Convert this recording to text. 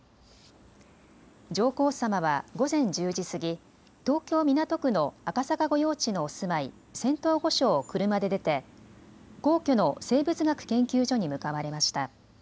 上皇さまは午前１０時過ぎ、東京港区の赤坂御用地のお住まい、仙洞御所を車で出て皇居の生物学研究所に向かわれました。